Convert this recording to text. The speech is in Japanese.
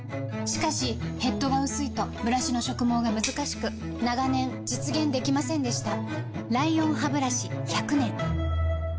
しかしヘッドが薄いとブラシの植毛がむずかしく長年実現できませんでした